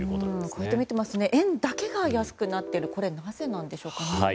こうやって見ても円だけが安くなっているこれ、なぜなんでしょうかね。